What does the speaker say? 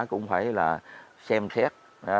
cũng phải là xem xét